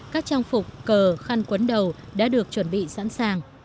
các trang phục cờ khăn quấn đầu đã được chuẩn bị sẵn sàng